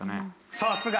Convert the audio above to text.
さすが！